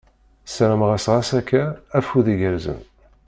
Ssarameɣ-as ɣas akka, afud igerrzen !